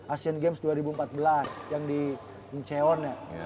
asian games dua ribu empat belas yang di incheon